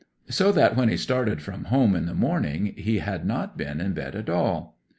So that when he started from home in the morning he had not been in bed at all.